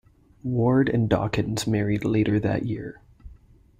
Ward and Dawkins married later that year.